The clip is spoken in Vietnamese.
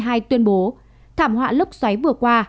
một mươi một tháng một mươi hai tuyên bố thảm họa lốc xoáy vừa qua